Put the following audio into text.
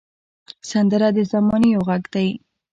سندره د زمانې یو غږ دی